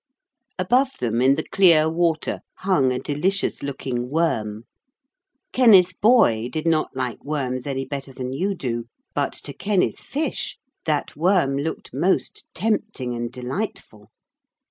Above them in the clear water hung a delicious looking worm. Kenneth Boy did not like worms any better than you do, but to Kenneth Fish that worm looked most tempting and delightful.